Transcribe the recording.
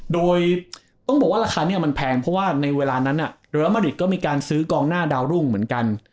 โดยต้องบอกว่าราคานี้มันแพงเพราะว่าในเวลานั้นเรอร์มาริดก็มีการซื้อกองหน้าดาวรุ่งเหมือนกัน